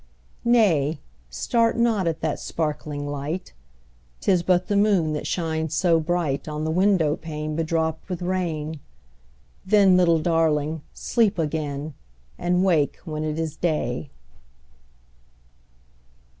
10 Nay! start not at that sparkling light; 'Tis but the moon that shines so bright On the window pane bedropped with rain: Then, little Darling! sleep again, And wake when it is day.